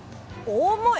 重い！